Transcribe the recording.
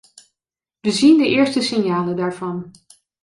We zien de eerste signalen daarvan.